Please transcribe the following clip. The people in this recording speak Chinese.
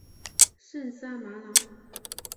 圣沙马朗。